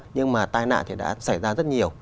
nhưng mà tai nạn thì đã xảy ra rất nhiều